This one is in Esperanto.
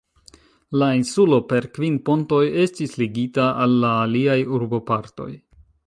La insulo per kvin pontoj estis ligita al la aliaj urbopartoj.